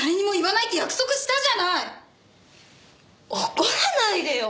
怒らないでよ。